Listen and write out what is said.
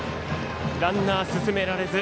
ランナー、進められず。